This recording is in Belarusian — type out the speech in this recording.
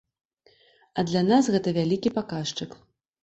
А для нас гэта вялікі паказчык.